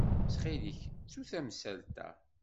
Ttxil-k, ttu tamsalt-a.